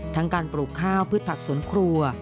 ทั้งการปลูกข้าวพืชผักสวนครัว